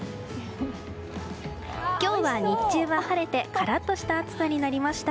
今日は日中は晴れてカラッとした暑さになりました。